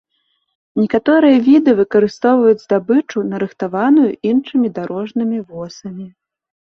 Некаторыя віды выкарыстоўваюць здабычу, нарыхтаваную іншымі дарожнымі восамі.